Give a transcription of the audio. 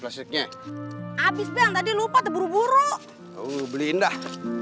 abis bilang tadi lupa terburu buru beli indah